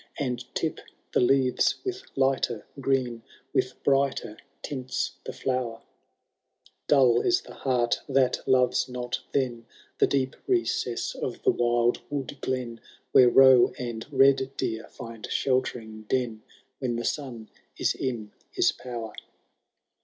And tip the leaves with lighter green. With brighter tints the flower : Dull is the heart that loves not then. The deep recess of the wildwood glen. Where roe and red deer find sheltering den When the sun is in his power.